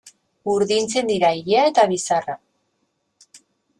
Urdintzen dira ilea eta bizarra.